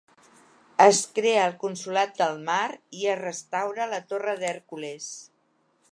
Es crea el Consolat del Mar i es restaura la Torre d'Hèrcules.